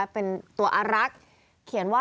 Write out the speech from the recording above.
เป็นตัวอรัก